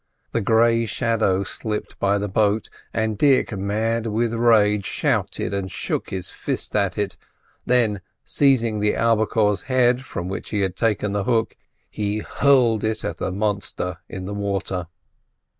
The grey shadow slipped by the boat, and Dick, mad with rage, shouted and shook his fist at it; then, seizing the albicore's head, from which he had taken the hook, he hurled it at the monster in the water.